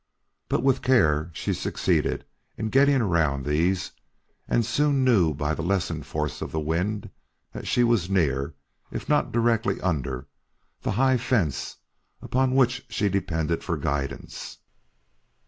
But with care she succeeded in getting around these, and soon she knew by the lessened force of the wind that she was near, if not directly under, the high fence upon which she depended for guidance.